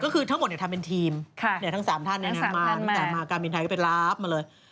คือทั้งหมดทำเป็นทีมทั้ง๓ท่านมาการบินไทยก็เป็นราบมาเลย